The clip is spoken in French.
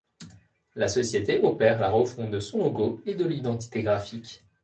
La société opère la refonte de son logo et de l'identité graphique.